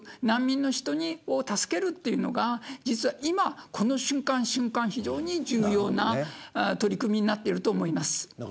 難民の人を助けるっていうのが今、この瞬間、瞬間非常に重要な取り組みになっていると思います。